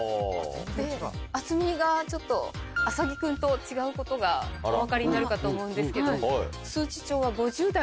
厚みがちょっと麻木君と違うことがお分かりになるかと思うんですけど。